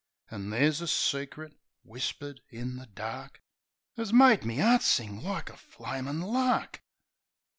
An' there's a secret, whispered in the dark, 'As made me 'eart sing like a flamin' lark.